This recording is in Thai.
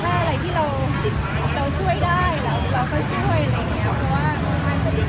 ถ้าอะไรที่เราช่วยได้เราก็ช่วยอะไรอย่างเงี้ยเพราะว่า